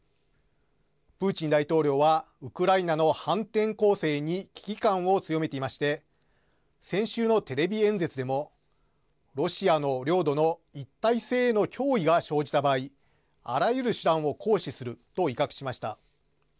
プーチン大統領はウクライナの反転攻勢に危機感を強めていまして先週のテレビ演説でもロシアの領土の一体性への脅威が生じた場合あらゆる手段を行使すると威嚇しました。